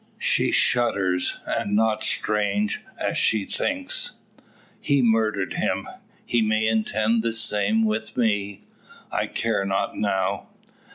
She shudders, and not strange, as she thinks: "He murdered him. He may intend the same with me. I care not now."